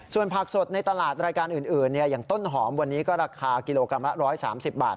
ส่วนผักสดในตลาดรายการอื่นอย่างต้นหอมวันนี้ก็ราคากิโลกรัมละ๑๓๐บาท